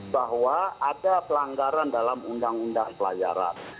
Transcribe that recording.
bahwa ada pelanggaran dalam undang undang pelayaran